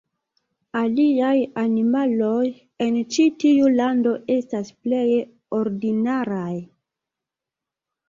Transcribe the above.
Aliaj animaloj en ĉi tiu lando estas pleje ordinaraj.